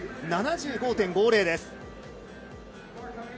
７５．５０です。